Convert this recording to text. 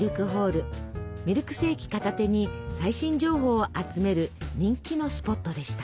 ミルクセーキ片手に最新情報を集める人気のスポットでした。